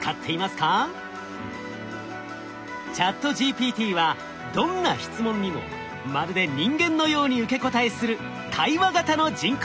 ＣｈａｔＧＰＴはどんな質問にもまるで人間のように受け答えする対話型の人工知能。